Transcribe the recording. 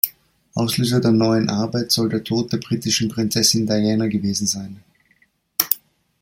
Auslöser der neuen Arbeit soll der Tod der britischen Prinzessin Diana gewesen sein.